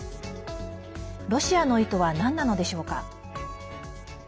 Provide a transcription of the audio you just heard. ロシアの意図はなんなのでしょうか。